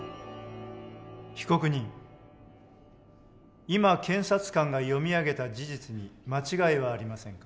被告人今検察官が読み上げた事実に間違いはありませんか？